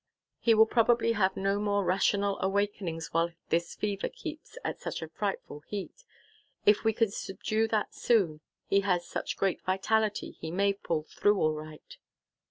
He will probably have no more rational awakenings while this fever keeps at such a frightful heat. If we can subdue that soon, he has such great vitality he may pull through all right."